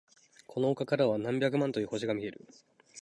この丘からは何百万という星が見える。